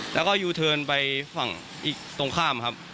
แล้วก็ยูเทิร์นไปฝั่งอีกตรงข้ามครับ